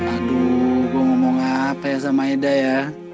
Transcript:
aduh gue ngomong apa ya sama ida ya